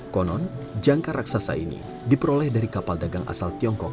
konon jangka raksasa ini diperoleh dari kapal dagang asal tiongkok